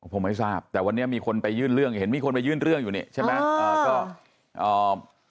ผมไม่ทราบแต่วันนี้มีคนไปยื่นเรื่องเห็นมีคนไปยื่นเรื่องอยู่นี่ใช่ไหม